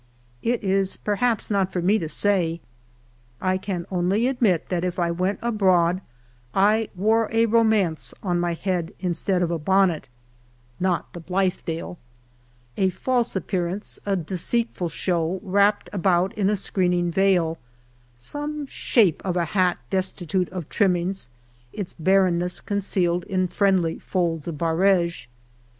It is perhaps not for me to say. 1 can only admit, that if 1 went abroad 1 wore a romance on juy head instead of a bonnet (not " The Blithdale "), a false appearance, a deceitful show, wrapped about in a screening veil — some shape of a hat destitute of trimmings, its barrenness concealed in friendly folds of barege.